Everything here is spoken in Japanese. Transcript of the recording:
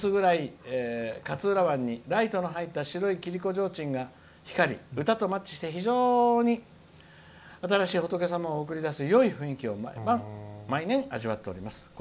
「夕方の薄暗い勝浦湾にライトの入った白い切子ちょうちんが光り、歌とマッチして非常に新しい仏様を送り出すよい雰囲気を毎年味わっております。